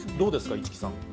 市來さん。